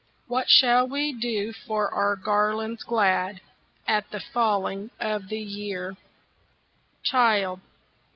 What shall we do for our garlands glad At the falling of the year?" "Child!